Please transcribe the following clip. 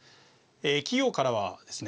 企業からはですね